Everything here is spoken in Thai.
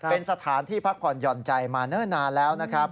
เป็นสถานที่พักผ่อนหย่อนใจมาเนิ่นนานแล้วนะครับ